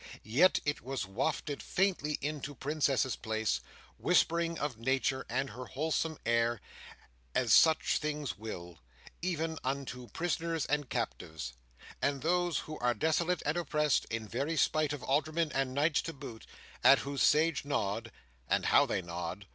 yet it was wafted faintly into Princess's Place, whispering of Nature and her wholesome air, as such things will, even unto prisoners and captives, and those who are desolate and oppressed, in very spite of aldermen and knights to boot: at whose sage nod—and how they nod!